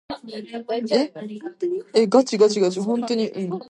Димәк, безне караганнар, үз иткәннәр.